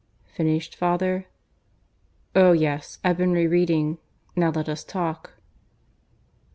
"Finished, father?" "Oh, yes! I've been re reading. Now let us talk."